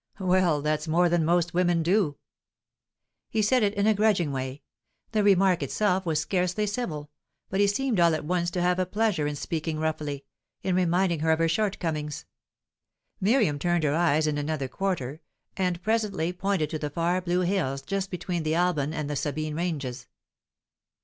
"Well, that's more than most women do." He said it in a grudging way. The remark itself was scarcely civil, but he seemed all at once to have a pleasure in speaking roughly, in reminding her of her shortcomings. Miriam turned her eyes in another quarter, and presently pointed to the far blue hills just seen between the Alban and the Sabine ranges.